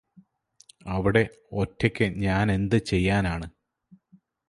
അവിടെ ഒറ്റക്ക് ഞാനെന്ത് ചെയ്യാനാണ്